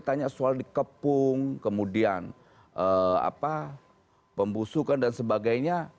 tanya soal dikepung kemudian pembusukan dan sebagainya